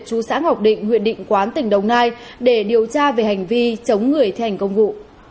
chú xã ngọc định huyện định quán tỉnh đồng nai để điều tra về hành vi chống người thi hành công vụ